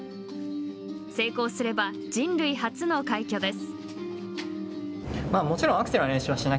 成功すれば人類初の快挙です。